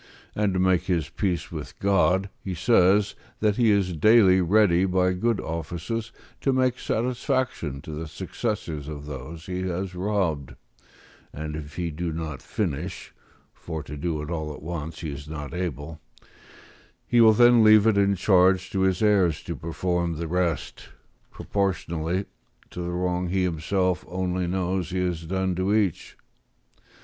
And to make his peace with God, he says, that he is daily ready by good offices to make satisfaction to the successors of those he has robbed, and if he do not finish (for to do it all at once he is not able), he will then leave it in charge to his heirs to perform the rest, proportionably to the wrong he himself only knows he has done to each.